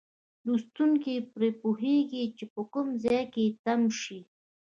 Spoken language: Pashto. لوستونکی پرې پوهیږي چې په کوم ځای کې تم شي.